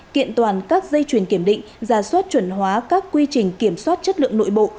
kiện toàn các dây chuyển kiểm định giả soát chuẩn hóa các quy trình kiểm soát chất lượng nội bộ